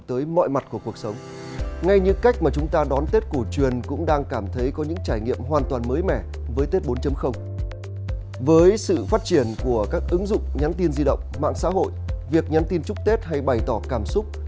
với sự phát triển của các ứng dụng nhắn tin di động mạng xã hội việc nhắn tin chúc tết hay bày tỏ cảm xúc